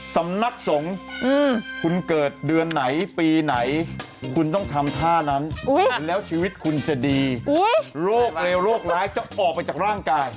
สำนักสงฆ์คุณเกิดเดือนไหนปีไหนคุณต้องทำท่านั้นแล้วชีวิตคุณจะดีโรคอะไรโรคร้ายจะออกไปจากร่างกาย